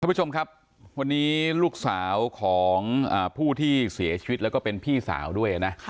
ผู้ชมครับวันนี้ลูกสาวของผู้ที่เสียชีวิตแล้วก็เป็นพี่สาวด้วยนะ